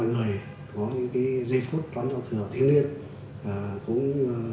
nhiều người có những giây phút đón giao thừa thiên liêng